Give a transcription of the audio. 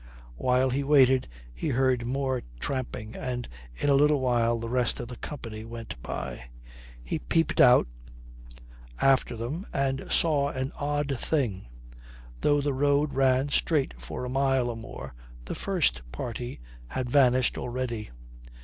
While he waited he heard more tramping, and in a little while the rest of the company went by. He peeped out after them and saw an odd thing: though the road ran straight for a mile or more, the first party had vanished already.